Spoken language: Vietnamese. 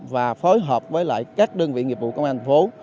và phối hợp với các đơn vị nghiệp vụ công an thành phố